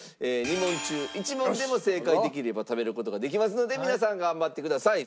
２問中１問でも正解できれば食べる事ができますので皆さん頑張ってください。